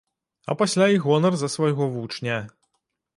А пасля і гонар за свайго вучня.